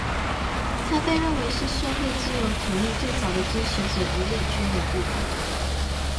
他被认为是社会自由主义最早的支持者与领军人物。